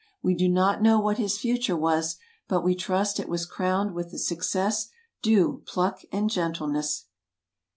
We do not know what his future was, but we trust it was crowned with the success due pluck and gentleness.